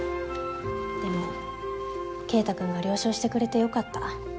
でも慧太くんが了承してくれて良かった。